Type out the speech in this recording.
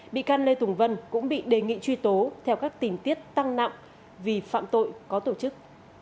bị can lê tùng vân cũng bị đề nghị truy tố theo các tình tiết tăng nặng vì phạm tội có tổ chức